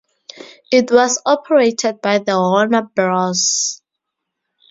It was operated by the Warner Bros.